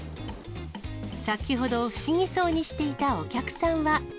先ほど不思議そうにしていたお客さんは。